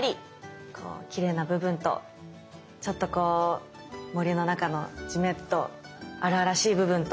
きれいな部分とちょっとこう森の中のじめっと荒々しい部分と。